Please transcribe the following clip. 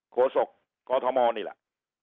โขสกกมนี่แหละ